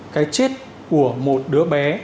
cái chết của một đứa bé